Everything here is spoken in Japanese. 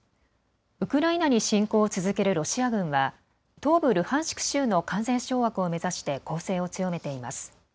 ウクライナに侵攻を続けるロシア軍は東部ルハンシク州の完全掌握を目指して攻勢を強めています。